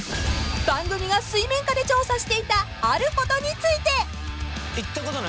［番組が水面下で調査していたあることについて］